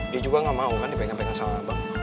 dia juga gak mau kan dipengen pengen sama abang